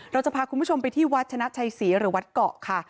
เราจะพาคุณผู้ชมไปที่วัดชนะชัยศรีหรือวัดเกาะค่ะ